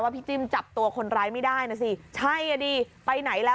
มันกลับมาที่สุดท้ายแล้วมันกลับมาที่สุดท้ายแล้ว